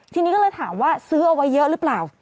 ทีนี้ก็เลยถามว่าซื้อเอาไว้เยอะหรือเปล่า